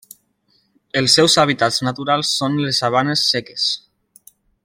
Els seus hàbitats naturals són les sabanes seques.